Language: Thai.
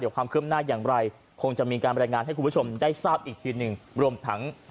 เดี๋ยวความเคลื่อนบนหน้าอย่างไรคงจะมีการบรรยายงานให้คุณผู้ชมได้ทราบอีกทีหนึ่ง